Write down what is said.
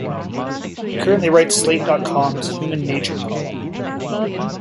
He currently writes Slate dot com's "Human Nature" column.